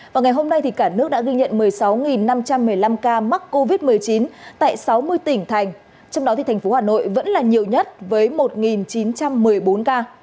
và ngày hôm nay cả nước đã ghi nhận một mươi sáu năm trăm một mươi năm ca mắc covid một mươi chín tại sáu mươi tỉnh thành trong đó thành phố hà nội vẫn là nhiều nhất với một chín trăm một mươi bốn ca